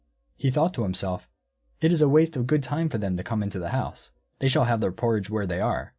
He thought to himself, "It is a waste of good time for them to come into the house; they shall have their porridge where they are."